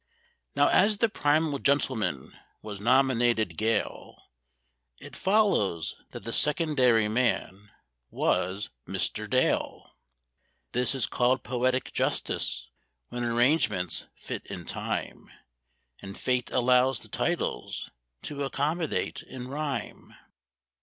Now as the primal gentleman was nominated Gale, It follows that the secondary man was Mr. Dale; This is called poetic justice when arrangements fit in time, And Fate allows the titles to accommodate in rhyme.